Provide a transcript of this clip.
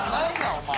お前。